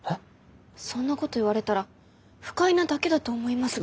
そんなこと言われたら不快なだけだと思いますが。